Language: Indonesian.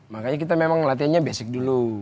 makanya kita memang latihannya basic dulu